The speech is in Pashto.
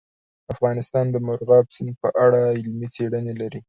افغانستان د مورغاب سیند په اړه علمي څېړنې لري.